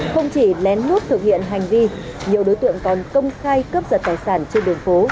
không chỉ lén lút thực hiện hành vi nhiều đối tượng còn công khai cấp giật tài sản trên đường phố